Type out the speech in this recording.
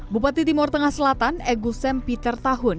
bupati timur tengah selatan egu sempiter tahun